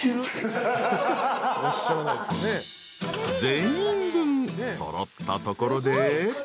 ［全員分揃ったところで］